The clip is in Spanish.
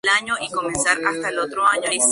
Es conocido popularmente como "el pantano".